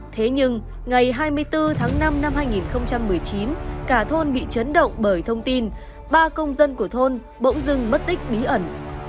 thế nhưng ngày hai mươi bốn tháng năm năm hai nghìn một mươi chín cả thôn bị chấn động bởi thông tin ba công dân của thôn bỗng dưng mất tích bí ẩn